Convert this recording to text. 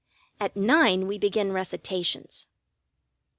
At nine we begin recitations.